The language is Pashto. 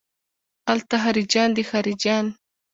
الته خارجيان دي خارجيان.